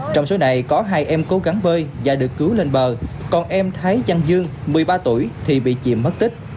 trong số này có hai em cố gắng bơi và được cứu lên bờ còn em thái giang dương một mươi ba tuổi thì bị chìm mất tích